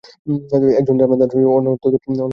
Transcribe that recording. একজন জার্মান দার্শনিক, অনর্থদর্শী।